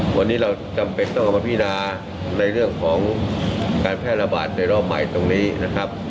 วันนี้เราจำเป็นต้องเอามาพินาในเรื่องของการแพร่ระบาดในรอบใหม่ตรงนี้นะครับ